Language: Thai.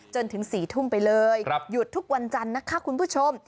จนถึง๔ทุ่มไปเลยหยุดทุกวันจันทร์นะคะคุณผู้ชม